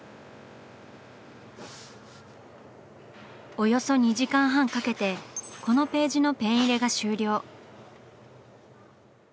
およそ２時間半かけてこのページのペン入れが終了。